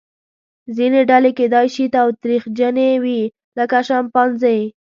ځینې ډلې کیدای شي تاوتریخجنې وي لکه شامپانزې.